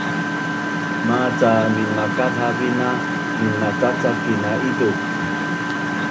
Maca minmakazhavin na minmacacakin na izuk